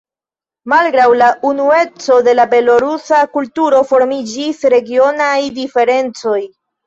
Malgraŭ la unueco de la belorusa kulturo formiĝis regionaj diferencoj.